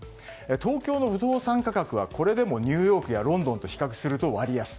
東京の不動産価格はこれでもニューヨークやロンドンと比較すると割安。